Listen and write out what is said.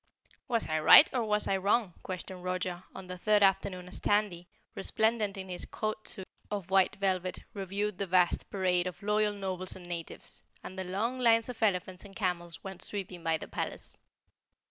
"Was I right or was I wrong?" questioned Roger on the third afternoon as Tandy, resplendent in his court suit of white velvet, reviewed the vast parade of Loyal Nobles and Natives, and the long lines of elephants and camels went sweeping by the palace.